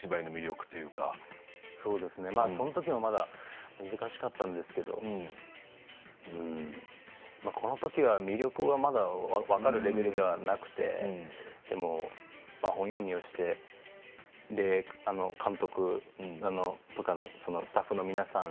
そのときはまだ難しかったんですけどこのときは魅力はまだ分かるレベルではなくてでも本読みをして監督とかスタッフの皆さん